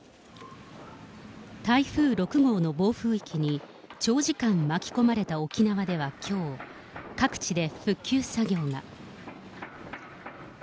台風６号の暴風域に長時間巻き込まれた沖縄ではきょう、各地で復旧作業が。